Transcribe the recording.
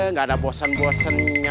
gak ada bosen bosennya